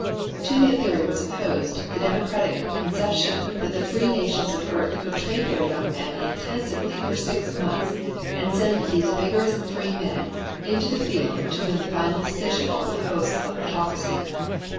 To that theory was opposed the democratic conception that the free nations of earth could train their young men intensively for six months and send these vigorous free men into the field to win the final decision over the hosts of autocracy.